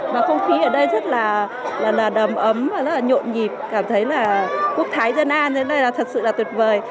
mà không khí ở đây rất là đầm ấm và rất là nhộn nhịp cảm thấy là quốc thái dân an thế này là thật sự là tuyệt vời